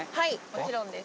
もちろんです。